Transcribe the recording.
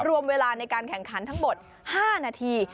รวมเวลาในการแข่งขันทั้งหมด๕นาที